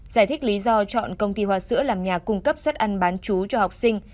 giải thích lý do chọn công ty hòa sữa làm nhà cung cấp xuất an bán chú cho học sinh